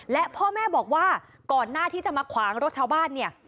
และพ่อแม่บอกว่าก่อนหน้าที่จะมาขวางรถชาวบ้านเนี่ย